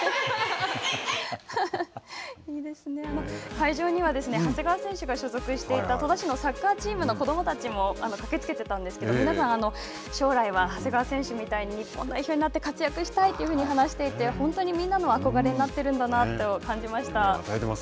会場には長谷川選手が所属していた戸田市のサッカーチームの子どもたちも駆けつけていたんですけど、皆さん、将来は長谷川選手みたいに日本代表になって活躍したいというふうに話していて本当にみんなの憧れになってるんだなと感じました。